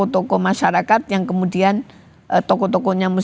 saya panggil berasasi barang dalamjeong prof doet nice